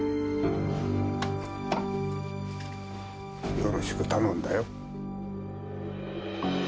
よろしく頼んだよ。